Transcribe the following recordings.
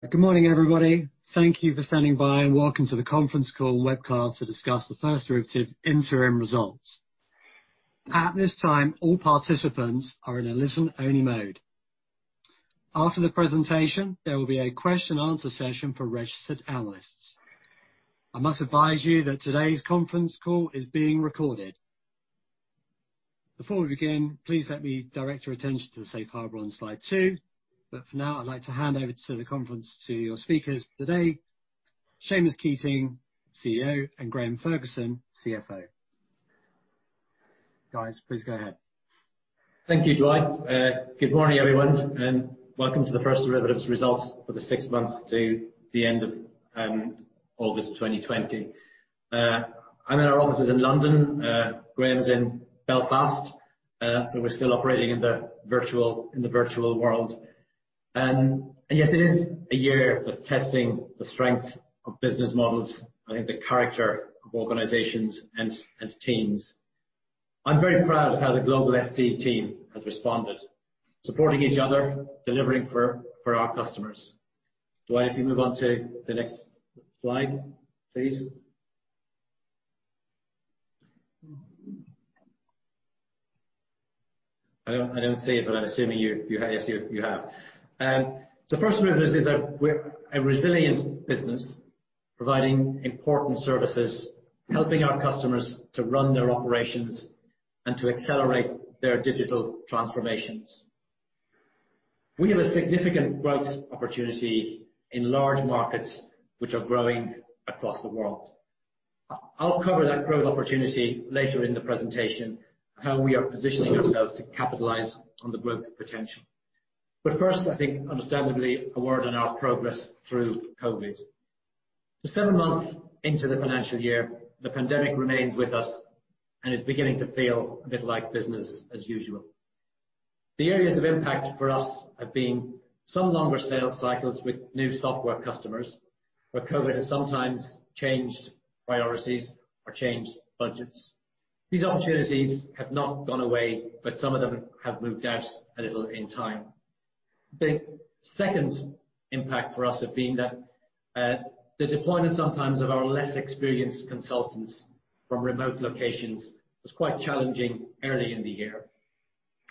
Good morning, everybody. Thank you for standing by, and welcome to the conference call webcast to discuss the First Derivative interim results. At this time, all participants are in a listen-only mode. After the presentation, there will be a question and answer session for registered analysts. I must advise you that today's conference call is being recorded. Before we begin, please let me direct your attention to the safe harbor on slide two. For now, I'd like to hand over to the conference to your speakers today, Seamus Keating, CEO, and Graham Ferguson, CFO. Guys, please go ahead. Thank you, Dwight. Good morning, everyone, and welcome to the First Derivative's results for the six months to the end of August 2020. I'm in our offices in London. Graham's in Belfast. We're still operating in the virtual world. Yes, it is a year of testing the strength of business models and the character of organizations and teams. I'm very proud of how the global FD team has responded, supporting each other, delivering for our customers. Dwight, if you move on to the next slide, please. I don't see it, but I'm assuming you have. Yes, you have. First Derivative is a resilient business providing important services, helping our customers to run their operations and to accelerate their digital transformations. We have a significant growth opportunity in large markets which are growing across the world. I'll cover that growth opportunity later in the presentation, how we are positioning ourselves to capitalize on the growth potential. First, I think understandably, a word on our progress through COVID. Seven months into the financial year, the pandemic remains with us and is beginning to feel a bit like business as usual. The areas of impact for us have been some longer sales cycles with new software customers, where COVID has sometimes changed priorities or changed budgets. These opportunities have not gone away, some of them have moved out a little in time. The second impact for us have been that the deployment sometimes of our less experienced consultants from remote locations was quite challenging early in the year,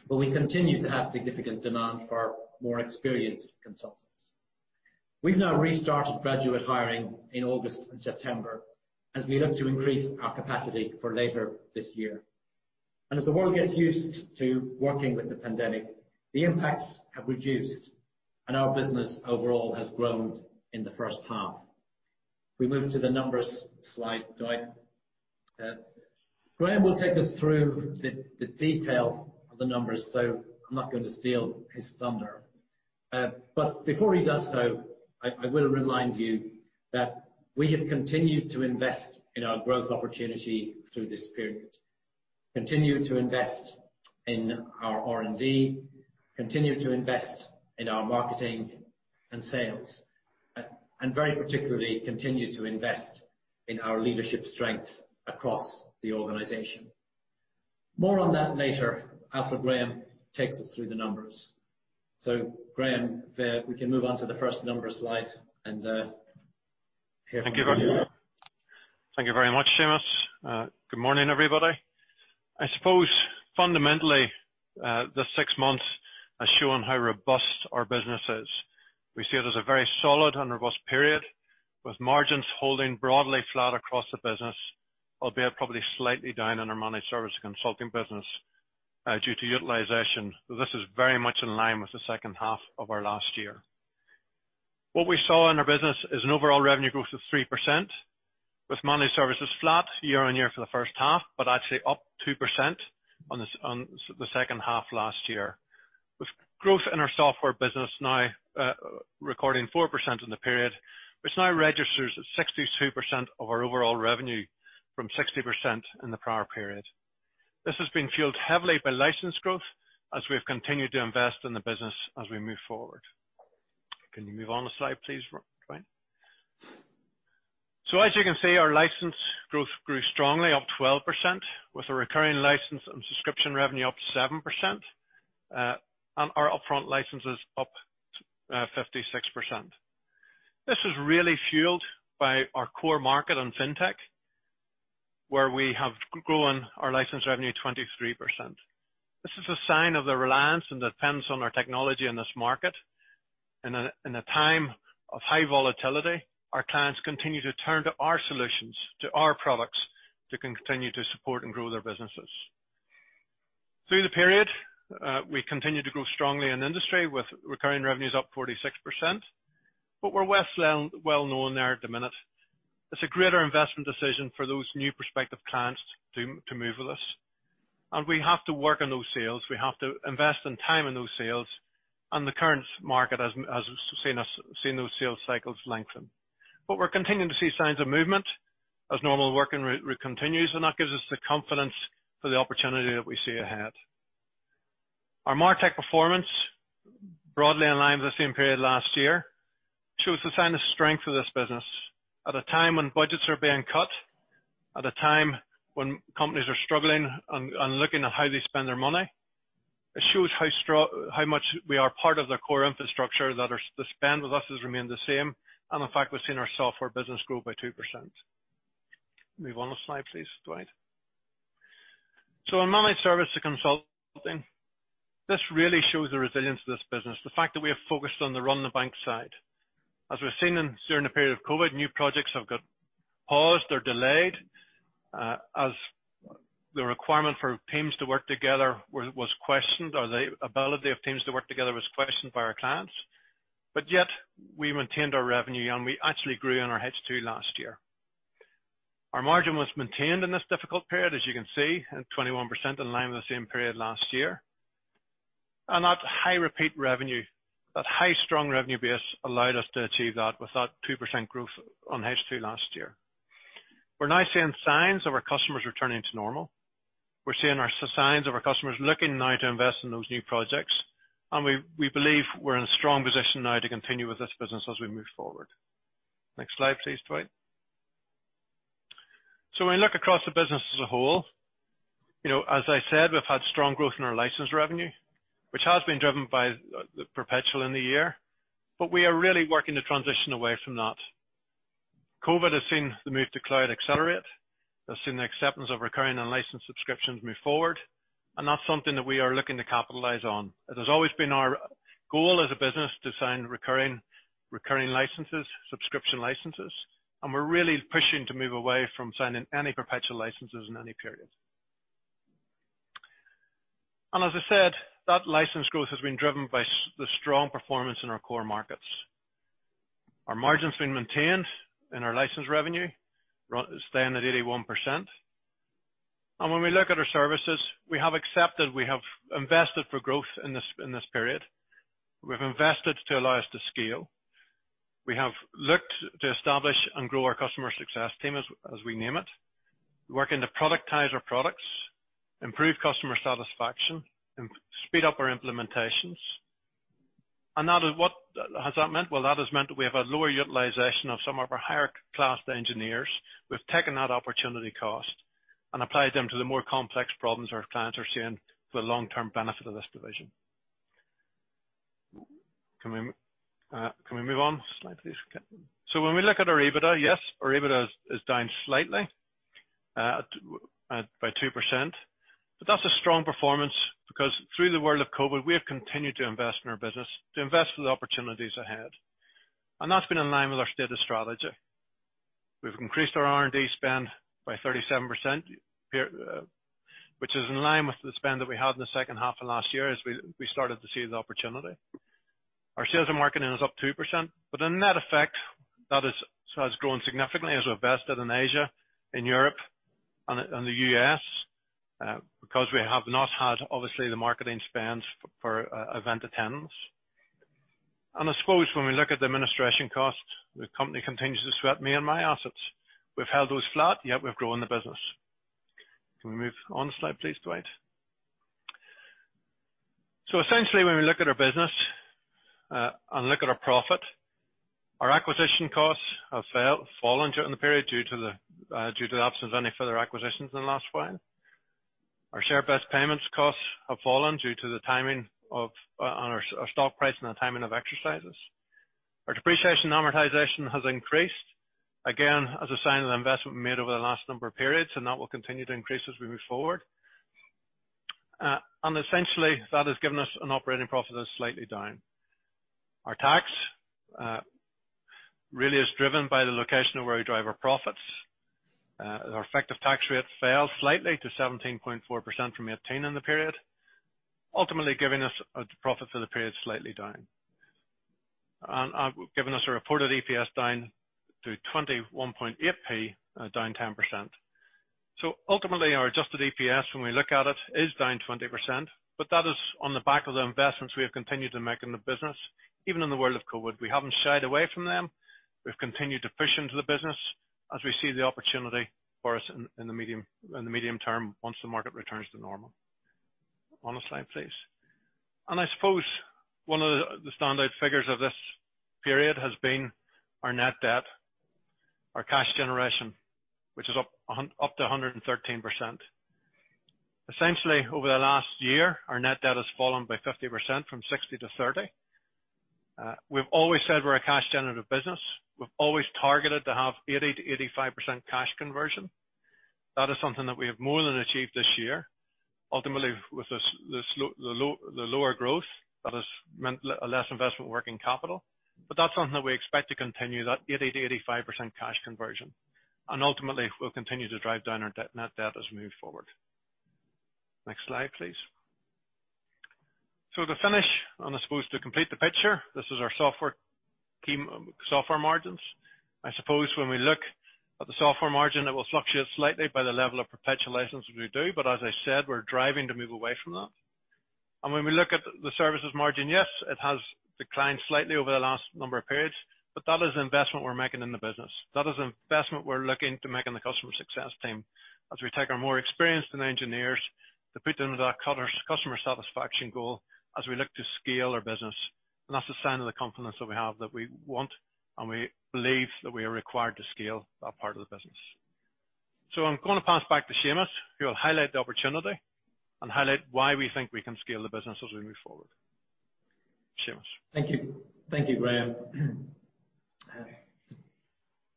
we continue to have significant demand for more experienced consultants. We've now restarted graduate hiring in August and September as we look to increase our capacity for later this year. As the world gets used to working with the pandemic, the impacts have reduced and our business overall has grown in the first half. If we move to the numbers slide, Dwight. Graham will take us through the detail of the numbers, so I'm not going to steal his thunder. Before he does so, I will remind you that we have continued to invest in our growth opportunity through this period, continued to invest in our R&D, continued to invest in our marketing and sales, and very particularly, continued to invest in our leadership strength across the organization. More on that later after Graham takes us through the numbers. Graham, we can move on to the first numbers slide and hear from you. Thank you very much, Seamus. Good morning, everybody. I suppose fundamentally, this six months has shown how robust our business is. We see it as a very solid and robust period, with margins holding broadly flat across the business, albeit probably slightly down in our Managed Services and Consulting business due to utilization. This is very much in line with the second half of our last year. What we saw in our business is an overall revenue growth of 3%, with Managed Services flat year-on-year for the first half. Actually up 2% on the second half last year. With growth in our software business now recording 4% in the period, which now registers at 62% of our overall revenue from 60% in the prior period. This has been fueled heavily by license growth as we've continued to invest in the business as we move forward. Can you move on the slide, please, Dwight? As you can see, our license growth grew strongly, up 12%, with a recurring license and subscription revenue up 7%, and our upfront licenses up 56%. This is really fueled by our core market on fintech, where we have grown our license revenue 23%. This is a sign of the reliance and dependence on our technology in this market. In a time of high volatility, our clients continue to turn to our solutions, to our products, to continue to support and grow their businesses. Through the period, we continued to grow strongly in industry with recurring revenues up 46%. We're less well known there at the minute. It's a greater investment decision for those new prospective clients to move with us, and we have to work on those sales. We have to invest in time in those sales, and the current market has seen those sales cycles lengthen. We're continuing to see signs of movement as normal working continues, and that gives us the confidence for the opportunity that we see ahead. Our MarTech performance, broadly in line with the same period last year, shows the sign of strength of this business. At a time when budgets are being cut, at a time when companies are struggling and looking at how they spend their money. It shows how much we are part of their core infrastructure that the spend with us has remained the same, and in fact, we've seen our software business grow by 2%. Move on a slide, please, Dwight. On managed service to consulting, this really shows the resilience of this business. The fact that we are focused on the run the bank side. As we've seen during the period of COVID, new projects have got paused or delayed, as the requirement for teams to work together was questioned, or the ability of teams to work together was questioned by our clients. We maintained our revenue and we actually grew in our H2 last year. Our margin was maintained in this difficult period, as you can see, at 21% in line with the same period last year. That high repeat revenue, that high strong revenue base allowed us to achieve that with that 2% growth on H2 last year. We're now seeing signs of our customers returning to normal. We're seeing signs of our customers looking now to invest in those new projects, and we believe we're in a strong position now to continue with this business as we move forward. Next slide, please, Dwight. When we look across the business as a whole, as I said, we've had strong growth in our license revenue, which has been driven by the perpetual in the year, but we are really working to transition away from that. COVID has seen the move to cloud accelerate, has seen the acceptance of recurring and license subscriptions move forward, and that's something that we are looking to capitalize on. It has always been our goal as a business to sign recurring licenses, subscription licenses, and we're really pushing to move away from signing any perpetual licenses in any period. As I said, that license growth has been driven by the strong performance in our core markets. Our margin's been maintained in our license revenue, staying at 81%. When we look at our services, we have accepted, we have invested for growth in this period. We have invested to allow us to scale. We have looked to establish and grow our customer success team, as we name it. We're working to productize our products, improve customer satisfaction, and speed up our implementations. What has that meant? Well, that has meant that we have a lower utilization of some of our higher class engineers. We've taken that opportunity cost and applied them to the more complex problems our clients are seeing for the long-term benefit of this division. Can we move on a slide, please? When we look at our EBITDA, yes, our EBITDA is down slightly by 2%, but that's a strong performance because through the world of COVID, we have continued to invest in our business to invest for the opportunities ahead. That's been in line with our stated strategy. We've increased our R&D spend by 37%, which is in line with the spend that we had in the second half of last year as we started to see the opportunity. In net effect, that has grown significantly as we invested in Asia, in Europe, and the U.S. because we have not had, obviously, the marketing spends for event attendance. I suppose when we look at the administration cost, the company continues to sweat me and my assets. We've held those flat, yet we've grown the business. Can we move on a slide, please, Dwight? Essentially, when we look at our business, and look at our profit, our acquisition costs have fallen during the period due to the absence of any further acquisitions in the last while. Our share-based payments costs have fallen due to the timing of our stock price and the timing of exercises. Our depreciation and amortization has increased, again, as a sign of the investment we made over the last number of periods, and that will continue to increase as we move forward. Essentially, that has given us an operating profit that's slightly down. Our tax really is driven by the location of where we drive our profits. Our effective tax rate fell slightly to 17.4% from 18% in the period, ultimately giving us a profit for the period slightly down. Giving us a reported EPS down to 0.218, down 10%. Ultimately, our Adjusted EPS, when we look at it, is down 20%, but that is on the back of the investments we have continued to make in the business, even in the world of COVID. We haven't shied away from them. We've continued to push into the business as we see the opportunity for us in the medium term once the market returns to normal. On a slide, please. I suppose one of the standout figures of this period has been our net debt, our cash generation, which is up to 113%. Essentially, over the last year, our net debt has fallen by 50%, from 60 million-30 million. We've always said we're a cash generative business. We've always targeted to have 80%-85% cash conversion. That is something that we have more than achieved this year. Ultimately, with the lower growth, that has meant less investment working capital. That's something that we expect to continue, that 80%-85% cash conversion. Ultimately, we'll continue to drive down our net debt as we move forward. Next slide, please. To finish, and I suppose to complete the picture, this is our software margins. I suppose when we look at the software margin, it will fluctuate slightly by the level of perpetual license we do, but as I said, we're driving to move away from that. When we look at the services margin, yes, it has declined slightly over the last number of periods, but that is the investment we're making in the business. That is the investment we're looking to make in the customer success team as we take our more experienced engineers to put them to that customer satisfaction goal as we look to scale our business. That's a sign of the confidence that we have that we want and we believe that we are required to scale that part of the business. I'm going to pass back to Seamus, who will highlight the opportunity and highlight why we think we can scale the business as we move forward. Seamus. Thank you. Thank you, Graham.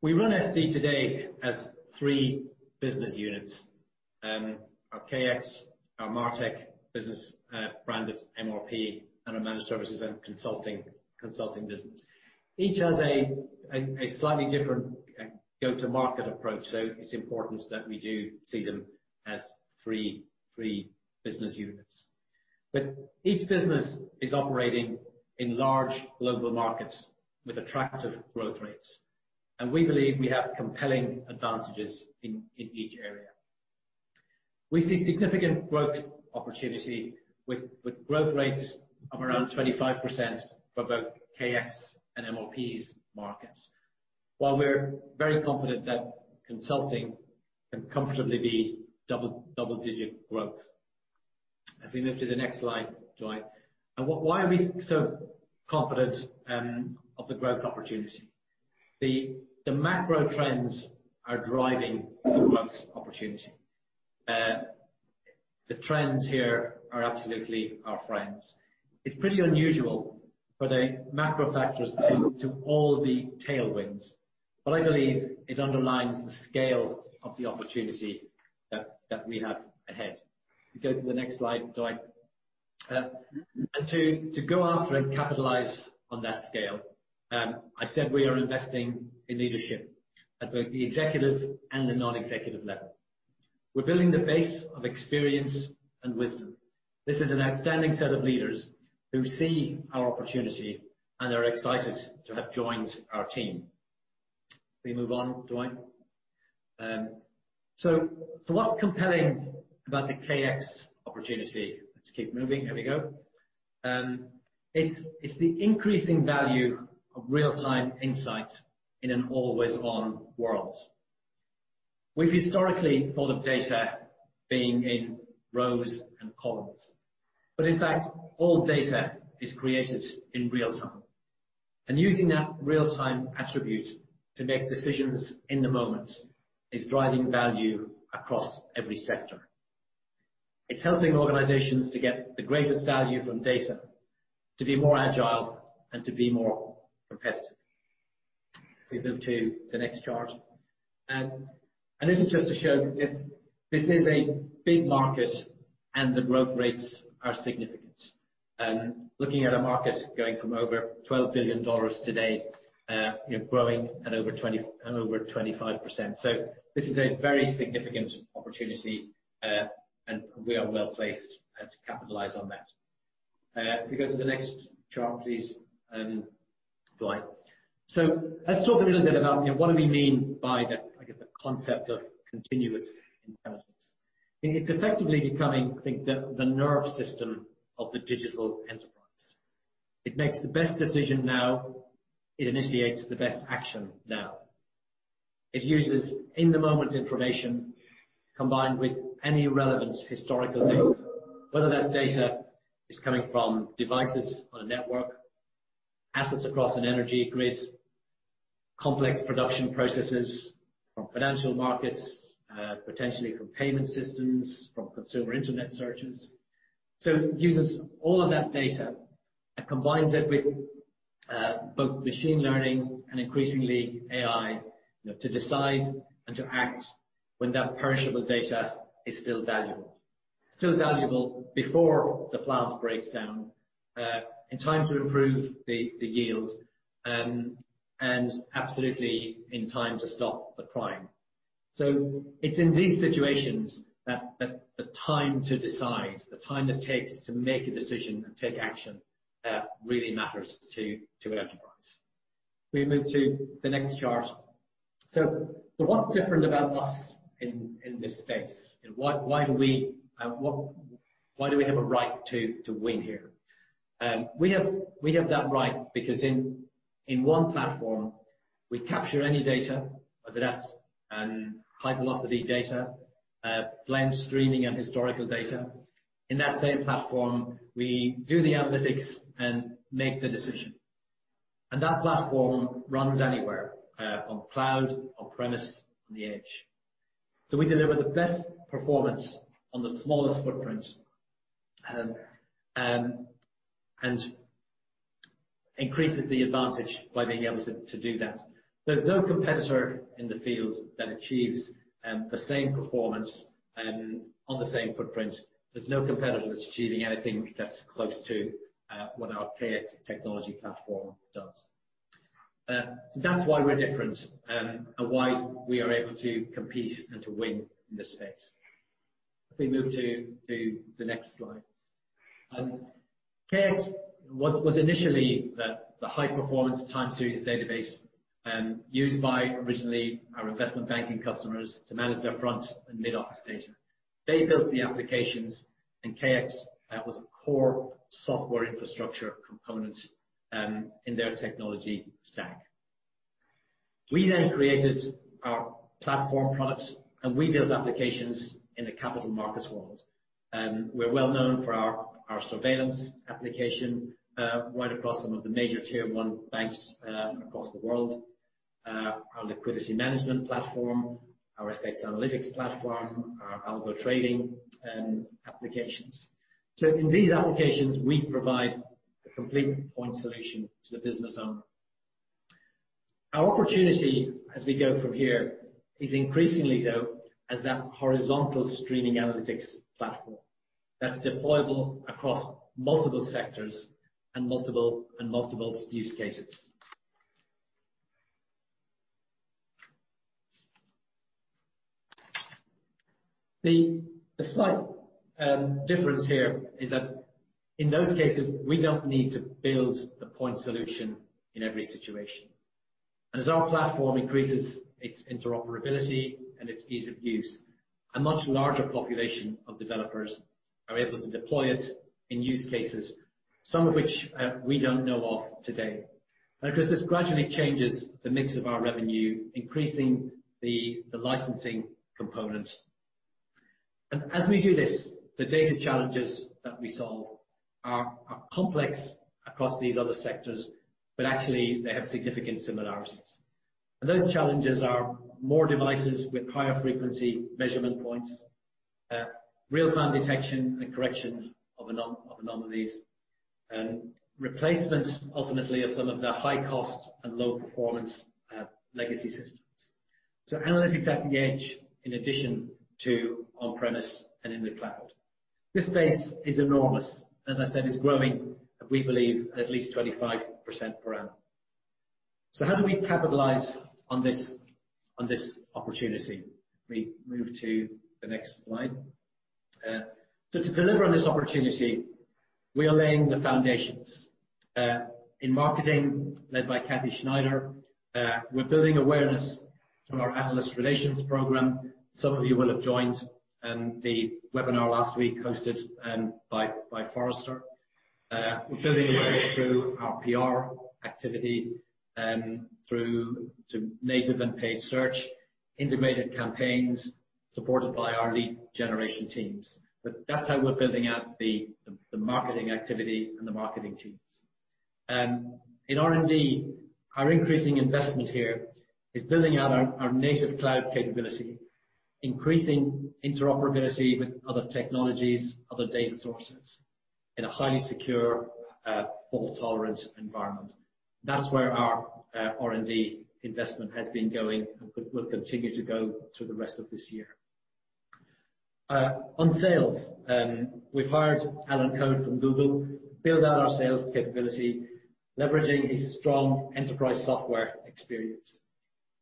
We run FD today as three business units. Our KX, our MarTech business, branded MRP, and our managed services and consulting business. Each has a slightly different go-to-market approach, it's important that we do see them as three business units. Each business is operating in large global markets with attractive growth rates, and we believe we have compelling advantages in each area. We see significant growth opportunity with growth rates of around 25% for both KX and MRP's markets, while we're very confident that consulting can comfortably be double-digit growth. If we move to the next slide, Dwight. Why are we so confident of the growth opportunity? The macro trends are driving the growth opportunity. The trends here are absolutely our friends. It's pretty unusual for the macro factors to all be tailwinds, but I believe it underlines the scale of the opportunity that we have ahead. If you go to the next slide, Dwight. To go after and capitalize on that scale, I said we are investing in leadership at both the executive and the non-executive level. We're building the base of experience and wisdom. This is an outstanding set of leaders who see our opportunity and are excited to have joined our team. Can we move on, Dwight? What's compelling about the KX opportunity? Let's keep moving. There we go. It's the increasing value of real-time insight in an always-on world. We've historically thought of data being in rows and columns, but in fact, all data is created in real time. Using that real-time attribute to make decisions in the moment is driving value across every sector. It's helping organizations to get the greatest value from data, to be more agile, and to be more competitive. If we move to the next chart. This is just to show this is a big market and the growth rates are significant. Looking at a market going from over GBP 12 billion today, growing at over 25%. This is a very significant opportunity, and we are well-placed to capitalize on that. If we go to the next chart, please, Dwight. Let's talk a little bit about what do we mean by the concept of continuous intelligence. It's effectively becoming the nervous system of the digital enterprise. It makes the best decision now. It initiates the best action now. It uses in-the-moment information combined with any relevant historical data, whether that data is coming from devices on a network, assets across an energy grid, complex production processes, from financial markets, potentially from payment systems, from consumer internet searches. It uses all of that data and combines it with both machine learning and increasingly AI to decide and to act when that perishable data is still valuable. Still valuable before the plant breaks down, in time to improve the yield, and absolutely in time to stop the crime. It's in these situations that the time to decide, the time that takes to make a decision and take action really matters to an enterprise. Can we move to the next chart? What's different about us in this space? Why do we have a right to win here? We have that right because in one platform, we capture any data, whether that's high velocity data, blend streaming and historical data. In that same platform, we do the analytics and make the decision. That platform runs anywhere, on cloud, on-premise, on the edge. We deliver the best performance on the smallest footprint, and increases the advantage by being able to do that. There's no competitor in the field that achieves the same performance on the same footprint. There's no competitor that's achieving anything that's close to what our KX technology platform does. That's why we're different, and why we are able to compete and to win in this space. If we move to the next slide. KX was initially the high performance time series database used by originally our investment banking customers to manage their front and mid-office data. They built the applications, and KX was a core software infrastructure component in their technology stack. We then created our platform products, and we built applications in the capital markets world. We're well known for our surveillance application right across some of the major tier 1 banks across the world, our liquidity management platform, our FX analytics platform, our algo trading, and applications. In these applications, we provide a complete point solution to the business owner. Our opportunity as we go from here is increasingly, though, as that horizontal streaming analytics platform that's deployable across multiple sectors and multiple use cases. The slight difference here is that in those cases, we don't need to build the point solution in every situation. As our platform increases its interoperability and its ease of use, a much larger population of developers are able to deploy it in use cases, some of which we don't know of today. Of course, this gradually changes the mix of our revenue, increasing the licensing component. As we do this, the data challenges that we solve are complex across these other sectors, but actually, they have significant similarities. Those challenges are more devices with higher frequency measurement points, real-time detection and correction of anomalies, and replacement, ultimately, of some of the high-cost and low-performance legacy systems. Analytics at the edge in addition to on-premises and in the cloud. This space is enormous. As I said, it's growing, we believe at least 25% per annum. How do we capitalize on this opportunity? We move to the next slide. To deliver on this opportunity, we are laying the foundations. In marketing, led by Kathy Schneider, we're building awareness through our analyst relations program. Some of you will have joined the webinar last week hosted by Forrester. We're building awareness through our PR activity through to native and paid search, integrated campaigns supported by our lead generation teams. That's how we're building out the marketing activity and the marketing teams. In R&D, our increasing investment here is building out our native-cloud capability, increasing interoperability with other technologies, other data sources in a highly secure fault-tolerant environment. That's where our R&D investment has been going, and will continue to go through the rest of this year. On sales, we've hired Alan Coad from Google to build out our sales capability, leveraging his strong enterprise software experience.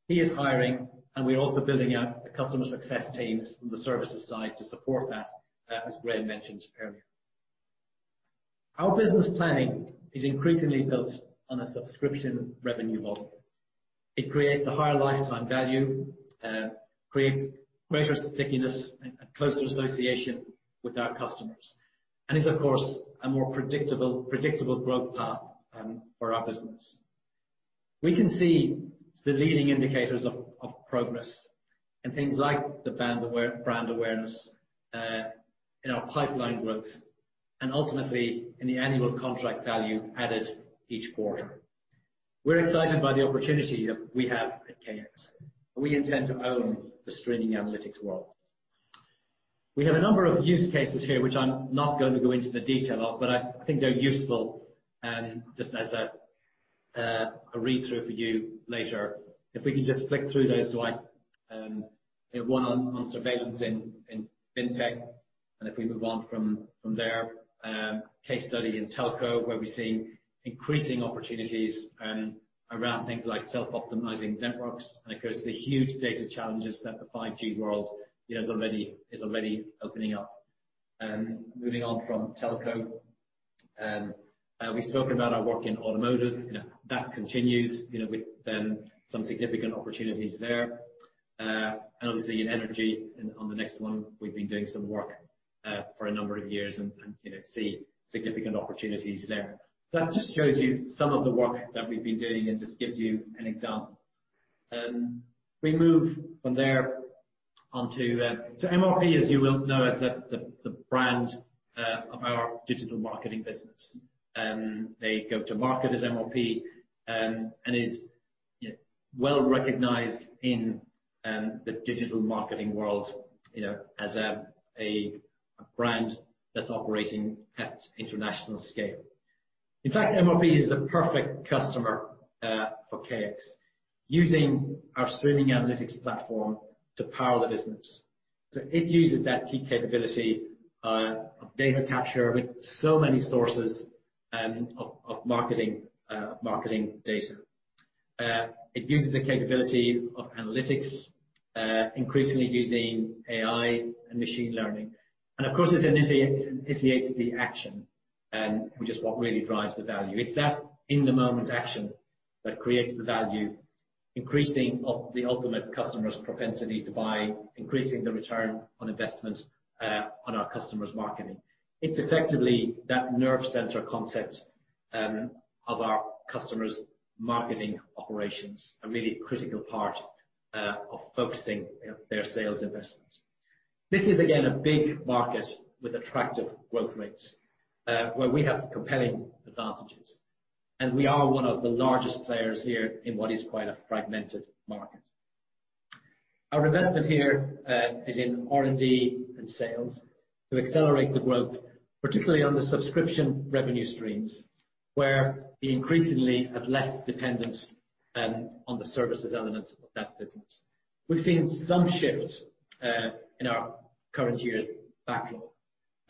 He is hiring, and we are also building out the customer success teams from the services side to support that, as Graham mentioned earlier. Our business planning is increasingly built on a subscription revenue model. It creates a higher lifetime value, creates greater stickiness and a closer association with our customers, and is, of course, a more predictable growth path for our business. We can see the leading indicators of progress in things like the brand awareness in our pipeline growth and ultimately, in the annual contract value added each quarter. We're excited by the opportunity that we have at KX. We intend to own the streaming analytics world. We have a number of use cases here, which I'm not going to go into the detail of, but I think they're useful just as a read-through for you later. If we could just flick through those, Dwight. One on surveillance in fintech, and if we move on from there, case study in telco, where we're seeing increasing opportunities around things like self-optimizing networks, and of course, the huge data challenges that the 5G world is already opening up. Moving on from telco, we spoke about our work in automotive. That continues with some significant opportunities there. Obviously in energy, on the next one, we've been doing some work for a number of years and see significant opportunities there. That just shows you some of the work that we've been doing and just gives you an example. MRP, as you will know, is the brand of our digital marketing business. They go to market as MRP, and is well recognized in the digital marketing world as a brand that's operating at international scale. In fact, MRP is the perfect customer for KX, using our streaming analytics platform to power the business. It uses that key capability of data capture with so many sources of marketing data. It uses the capability of analytics, increasingly using AI and machine learning. Of course, it initiates the action, which is what really drives the value. It's that in the moment action that creates the value, increasing the ultimate customer's propensity to buy, increasing the return on investment on our customers' marketing. It's effectively that nerve center concept of our customers' marketing operations, a really critical part of focusing their sales investment. This is again, a big market with attractive growth rates, where we have compelling advantages, and we are one of the largest players here in what is quite a fragmented market. Our investment here is in R&D and sales to accelerate the growth, particularly on the subscription revenue streams, where we increasingly have less dependence on the services elements of that business. We've seen some shift in our current year's backlog,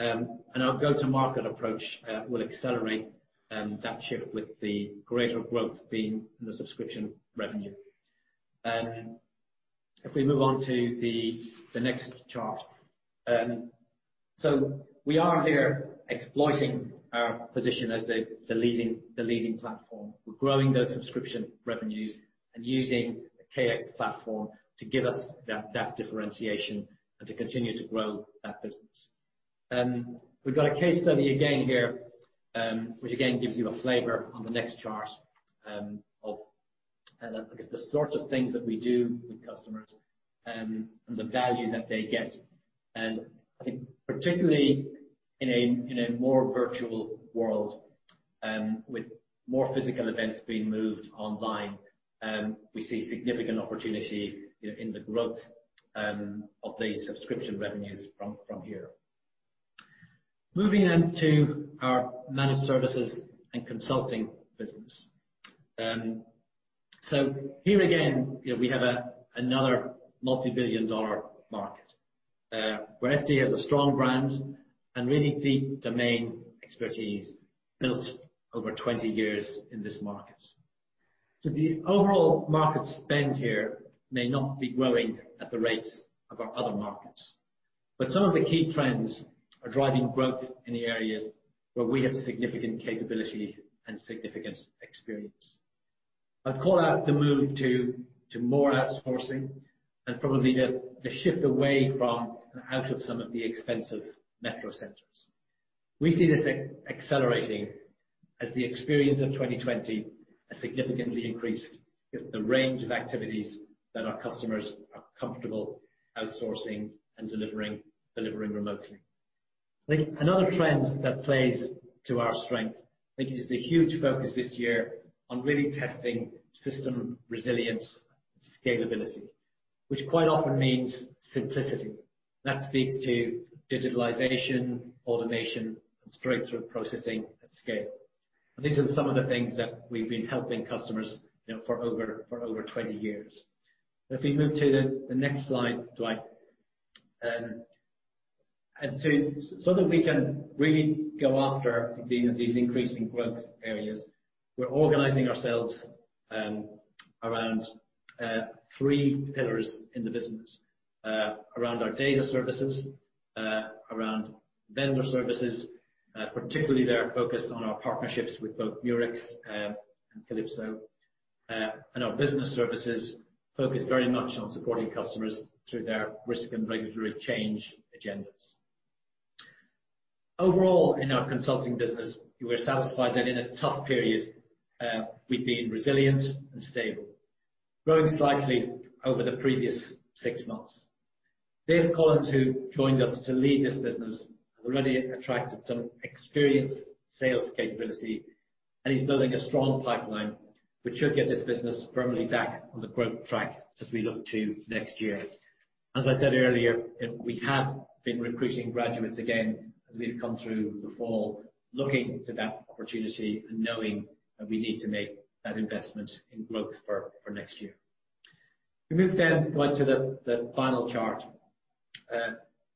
and our go-to-market approach will accelerate that shift with the greater growth being in the subscription revenue. If we move on to the next chart. We are here exploiting our position as the leading platform. We're growing those subscription revenues and using the KX platform to give us that differentiation and to continue to grow that business. We've got a case study again here, which again gives you a flavor on the next chart of the sorts of things that we do with customers and the value that they get. I think particularly in a more virtual world, with more physical events being moved online, we see significant opportunity in the growth of the subscription revenues from here. Moving to our Managed Services and Consulting business. Here again, we have another multibillion-dollar market, where FD has a strong brand and really deep domain expertise built over 20 years in this market. The overall market spend here may not be growing at the rates of our other markets, but some of the key trends are driving growth in the areas where we have significant capability and significant experience. I'd call out the move to more outsourcing and probably the shift away from and out of some of the expensive metro centers. We see this accelerating as the experience of 2020 has significantly increased the range of activities that our customers are comfortable outsourcing and delivering remotely. I think another trend that plays to our strength, I think, is the huge focus this year on really testing system resilience scalability, which quite often means simplicity. That speaks to digitalization, automation, and straight-through processing at scale. These are some of the things that we've been helping customers for over 20 years. If we move to the next slide, Dwight. That we can really go after these increasing growth areas, we're organizing ourselves around three pillars in the business. Around our Data Services, around Vendor Services, particularly they're focused on our partnerships with both Murex and Calypso, and our Business Services focus very much on supporting customers through their risk and regulatory change agendas. Overall, in our consulting business, we're satisfied that in a tough period, we've been resilient and stable, growing slightly over the previous six months. Dave Collins, who joined us to lead this business, has already attracted some experienced sales capability. He's building a strong pipeline, which should get this business firmly back on the growth track as we look to next year. As I said earlier, we have been recruiting graduates again as we've come through the fall, looking to that opportunity and knowing that we need to make that investment in growth for next year. We move, Dwight, to the final chart.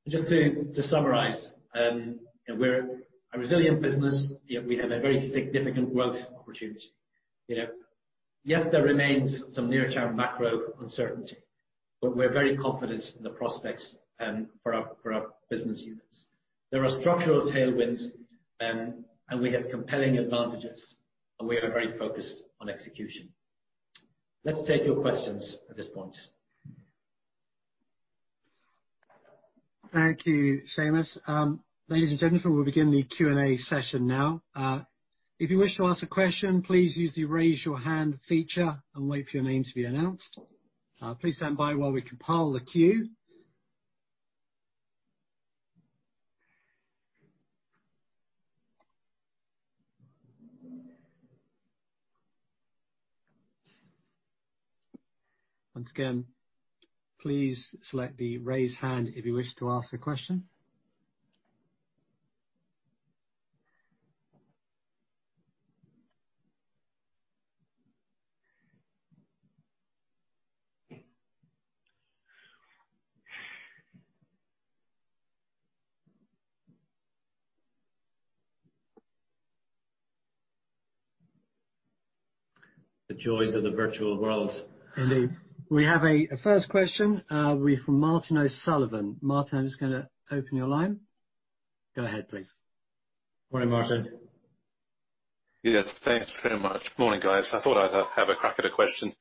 Just to summarize, we're a resilient business. We have a very significant growth opportunity. Yes, there remains some near-term macro uncertainty, but we're very confident in the prospects for our business units. There are structural tailwinds. We have compelling advantages. We are very focused on execution. Let's take your questions at this point. Thank you, Seamus. Ladies and gentlemen, we'll begin the Q&A session now. If you wish to ask a question, please use the raise your hand feature and wait for your name to be announced. Please stand by while we compile the queue. Once again, please select the raise hand if you wish to ask a question. The joys of the virtual world. Indeed. We have a first question will be from Martin O'Sullivan. Martin, I'm just going to open your line. Go ahead, please. Morning, Martin. Yes, thanks very much. Morning, guys. I thought I'd have a crack at a question.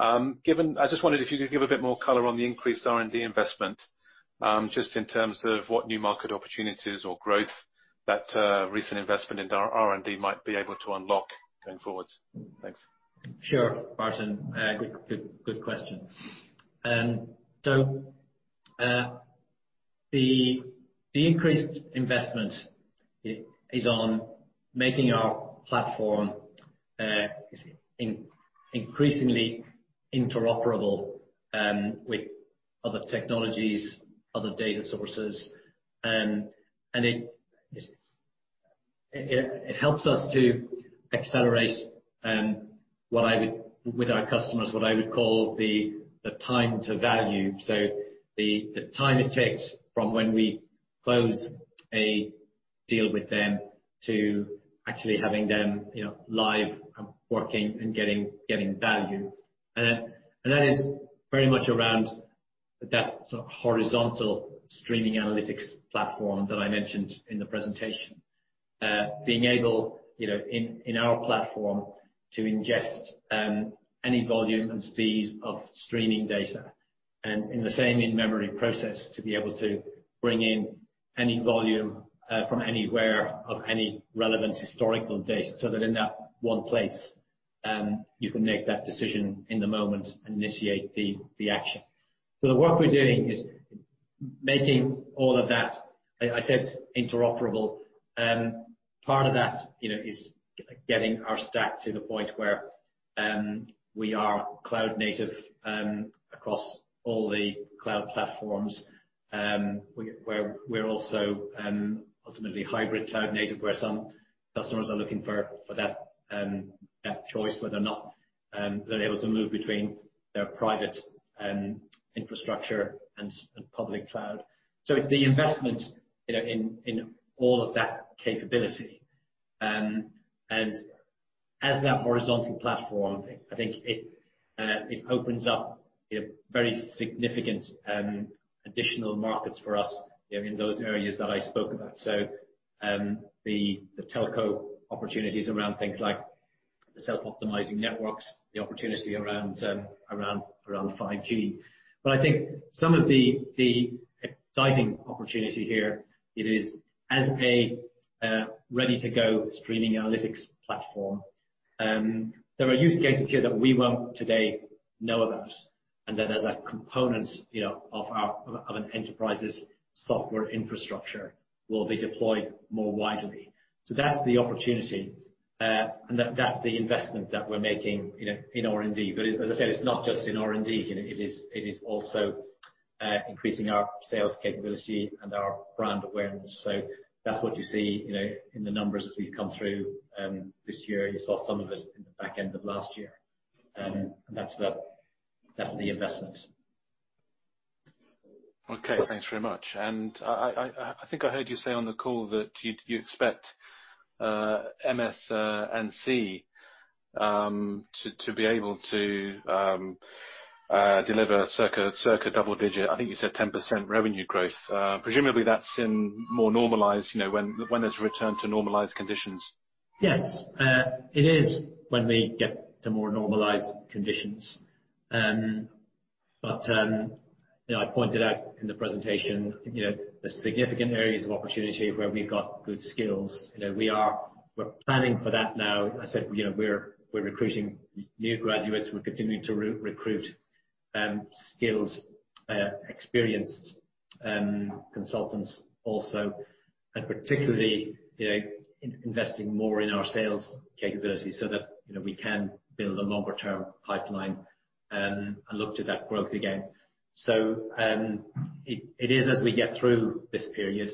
I just wondered if you could give a bit more color on the increased R&D investment, just in terms of what new market opportunities or growth that recent investment in R&D might be able to unlock going forward. Thanks. Sure, Martin. Good question. The increased investment is on making our platform increasingly interoperable with other technologies, other data sources, and it helps us to accelerate with our customers, what I would call the time to value. The time it takes from when we close a deal with them to actually having them live and working and getting value. That is very much around that horizontal streaming analytics platform that I mentioned in the presentation. Being able, in our platform, to ingest any volume and speed of streaming data, and in the same in-memory process, to be able to bring in any volume from anywhere of any relevant historical data, so that in that one place, you can make that decision in the moment and initiate the action. The work we're doing is making all of that, like I said, interoperable. Part of that is getting our stack to the point where we are cloud-native across all the cloud platforms, where we're also ultimately hybrid cloud-native, where some customers are looking for that choice, whether or not they're able to move between their private infrastructure and public cloud. It's the investment in all of that capability, and as that horizontal platform thing, I think it opens up very significant additional markets for us in those areas that I spoke about. The telco opportunities around things like the self-optimizing networks, the opportunity around 5G. I think some of the exciting opportunity here, it is as a ready-to-go streaming analytics platform. There are use cases here that we won't today know about, and that as a component of an enterprise's software infrastructure will be deployed more widely. That's the opportunity, and that's the investment that we're making in R&D. As I said, it's not just in R&D, it is also increasing our sales capability and our brand awareness. That's what you see in the numbers as we've come through this year, and you saw some of it in the back end of last year. That's the investment. Okay, thanks very much. I think I heard you say on the call that you expect MS&C to be able to deliver circa double-digit, I think you said 10% revenue growth. Presumably that's in more normalized, when there's a return to normalized conditions. Yes. It is when we get to more normalized conditions. I pointed out in the presentation, the significant areas of opportunity where we've got good skills. We're planning for that now. I said we're recruiting new graduates, we're continuing to recruit skilled, experienced consultants also, and particularly investing more in our sales capabilities so that we can build a longer term pipeline and look to that growth again. It is as we get through this period,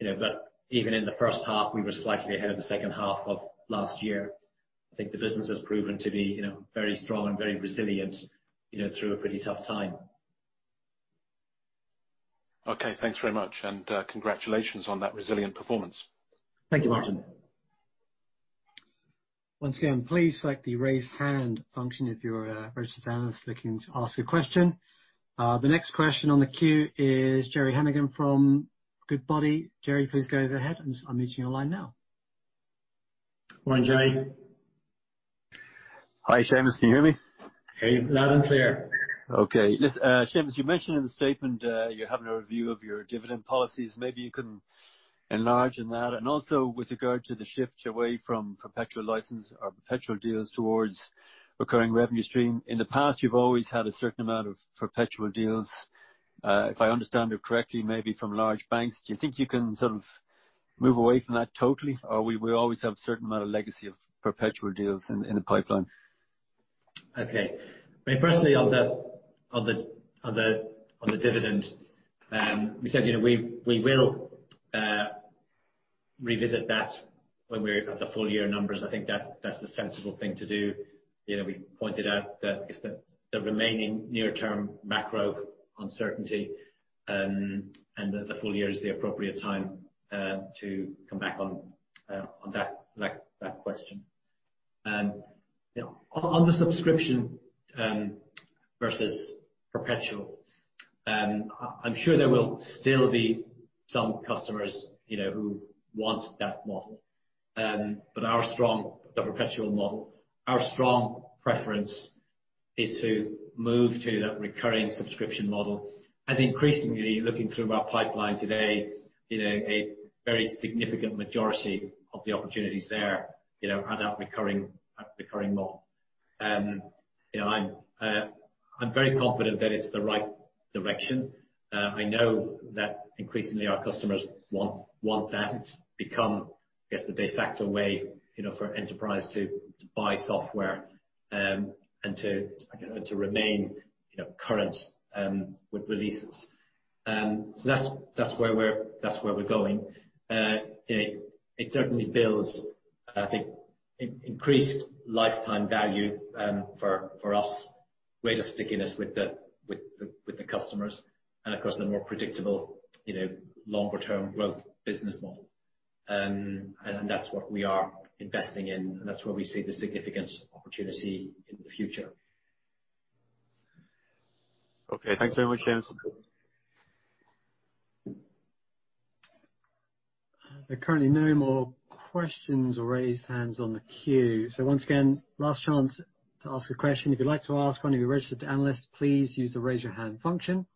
but even in the first half, we were slightly ahead of the second half of last year. I think the business has proven to be very strong and very resilient through a pretty tough time. Okay, thanks very much. Congratulations on that resilient performance. Thank you, Martin. Once again, please select the raise hand function if you're a registered analyst looking to ask a question. The next question on the queue is Gerry Hennigan from Goodbody. Gerry, please go ahead. I'm unmuting your line now. Morning, Gerry. Hi, Seamus, can you hear me? Hey. Loud and clear. Okay. Listen, Seamus, you mentioned in the statement you're having a review of your dividend policies. Maybe you can enlarge on that, and also with regard to the shift away from perpetual license or perpetual deals towards recurring revenue stream. In the past, you've always had a certain amount of perpetual deals, if I understand it correctly, maybe from large banks. Do you think you can sort of move away from that totally? Or will we always have a certain amount of legacy of perpetual deals in the pipeline? Okay. Very firstly, on the dividend, we said we will revisit that when we have the full year numbers. I think that's the sensible thing to do. We pointed out that because the remaining near term macro uncertainty, and that the full year is the appropriate time to come back on that question. On the subscription versus perpetual. I'm sure there will still be some customers who want that model, the perpetual model. Our strong preference is to move to that recurring subscription model, as increasingly, looking through our pipeline today, a very significant majority of the opportunities there are that recurring model. I'm very confident that it's the right direction. I know that increasingly our customers want that. It's become, I guess, the de facto way for enterprise to buy software and to remain current with releases. That's where we're going. It certainly builds, I think, increased lifetime value for us, greater stickiness with the customers, and of course, the more predictable longer-term growth business model. That's what we are investing in, and that's where we see the significant opportunity in the future. Okay, thanks very much, Seamus. There are currently no more questions or raised hands on the queue. Once again, last chance to ask a question. If you'd like to ask one, if you're a registered analyst, please use the Raise Your Hand function.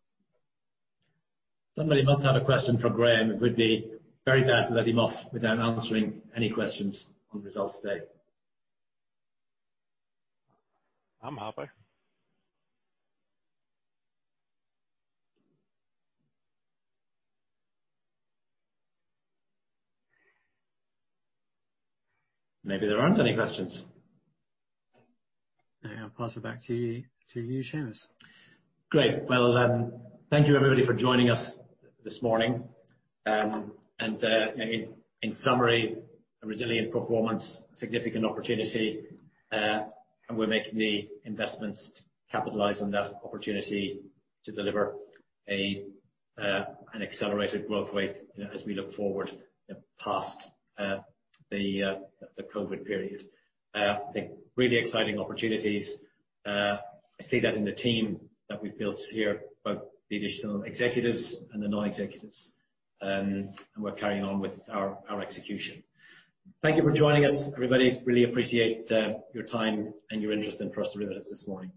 Somebody must have a question for Graham. It would be very bad to let him off without answering any questions on results day. I'm happy. Maybe there aren't any questions. I'll pass it back to you, Seamus. Great. Well, thank you everybody for joining us this morning. In summary, a resilient performance, significant opportunity, and we're making the investments to capitalize on that opportunity to deliver an accelerated growth rate as we look forward past the COVID period. I think really exciting opportunities. I see that in the team that we've built here, both the additional executives and the non-executives, and we're carrying on with our execution. Thank you for joining us, everybody. Really appreciate your time and your interest in First Derivative this morning.